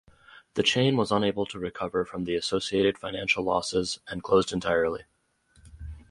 The chain was unable to recover from the associated financial losses and closed entirely.